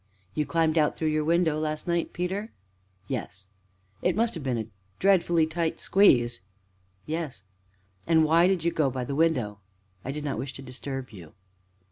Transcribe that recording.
"You climbed out through your window last night, Peter?" "Yes." "It must have been a dreadfully tight squeeze!" "Yes." "And why did you go by the window?" "I did not wish to disturb you."